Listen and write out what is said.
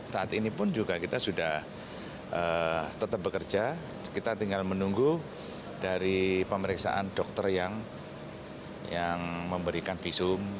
saat ini pun juga kita sudah tetap bekerja kita tinggal menunggu dari pemeriksaan dokter yang memberikan visum